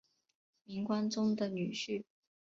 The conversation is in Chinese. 明光宗的女婿。